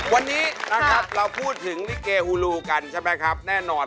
วันนี้นะครับเราพูดถึงลิเกฮูลูกันใช่ไหมครับแน่นอน